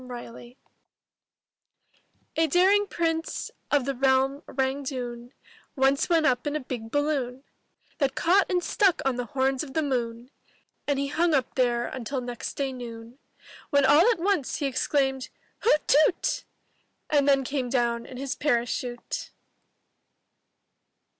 THE DARING PRINCE* A daring Prince, of the realm Rangg Dhune, Once went up in a big balloon That caught and stuck on the horns of the moon, And he hung up there until next day noon — When all at once he exclaimed, ''Hoot toot T* And then came down in his parachute.